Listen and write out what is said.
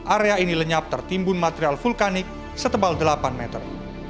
area ini lenyap tertimbun material vulkanik setebal delapan meter